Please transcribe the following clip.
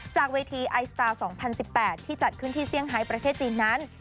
จากเวทีไอสตาร์๒๐๑๘ที่จัดขึ้นที่เซี่ยประเทศจีนนั้น